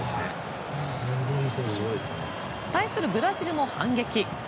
対するブラジルも反撃。